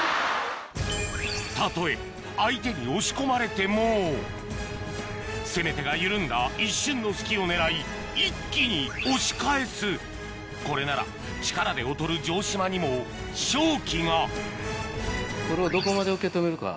たとえ相手に押し込まれても攻め手が緩んだ一瞬の隙を狙い一気に押し返すこれなら力で劣る城島にも勝機がこれをどこまで受け止めるか。